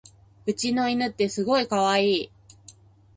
うちの犬ってすごいかわいい